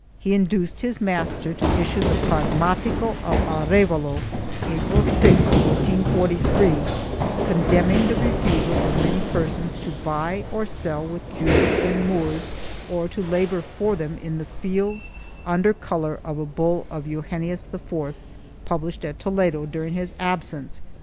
He induced his master to issue the Pragmatica of Arevalo, April 6, 1443, condemning the refusal of many persons to buy or sell with Jews and Moors or to labor for them in the fields, under color of a bull of Eugenius IV, published at Toledo during his absence.